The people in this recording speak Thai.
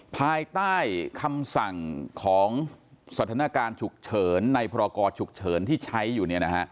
ภายใต้คำสั่งของสถานการณ์ฉุกเฉินในพรกรฉุกเฉินที่ใช้อยู่